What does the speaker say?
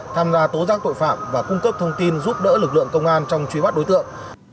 tham gia tố giác tội phạm và cung cấp thông tin giúp đỡ lực lượng công an trong truy bắt đối tượng